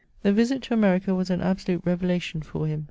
The visit to America was an absolute revelation for him.